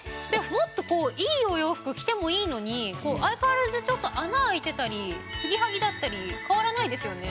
もっとこういいお洋服着てもいいのに相変わらずちょっと穴開いてたり継ぎはぎだったり変わらないですよね。